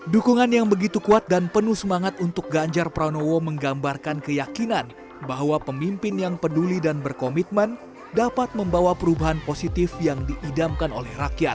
dukungan yang begitu kuat dan penuh semangat untuk ganjar pranowo menggambarkan keyakinan bahwa pemimpin yang peduli dan berkomitmen dapat membawa perubahan positif yang diidamkan oleh rakyat